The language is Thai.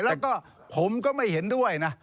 แล้วก็ผมก็ไม่เห็นด้วยนะ